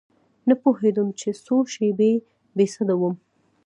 نه پوهېدم چې څو شپې بې سده وم.